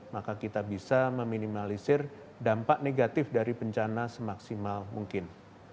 maka kita bisa meminimalisir dampak negatif dari bencana semaksimal mungkin